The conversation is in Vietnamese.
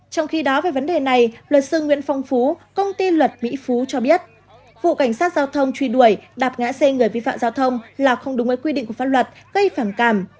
trong khi đó về vấn đề này luật sư nguyễn phong phú công ty luật mỹ phú cho biết vụ cảnh sát giao thông truy đuổi đạp ngã xe người vi phạm giao thông là không đúng với quy định của pháp luật gây phản cảm